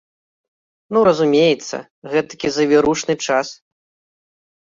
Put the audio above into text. Ну, разумеецца, гэтакі завірушны час.